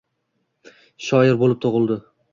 Shoir bo’lib tug’ildi.